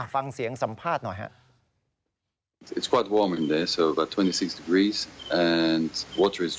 ฟังเสียงสัมภาษณ์หน่อยครับ